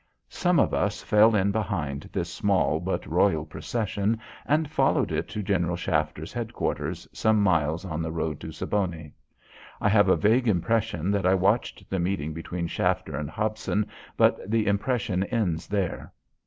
Some of us fell in behind this small but royal procession and followed it to General Shafter's headquarters, some miles on the road to Siboney. I have a vague impression that I watched the meeting between Shafter and Hobson, but the impression ends there.